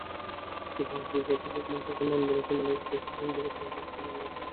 ইতিহাসবিদ অধ্যাপক মুনতাসীর মামুন বলেছেন, মানুষ বেশি দিন বীরত্বের বিষয়টি মনে রাখে না।